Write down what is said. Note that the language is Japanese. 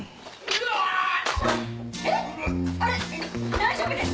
大丈夫ですか？